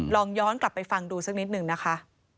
ลองย้อนกลับไปฟังดูสักนิดหนึ่งนะคะ